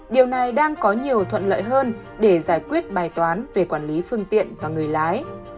điều này đang có nhiều thuận lợi hơn để giải quyết bài toán về quản lý phương tiện và người lái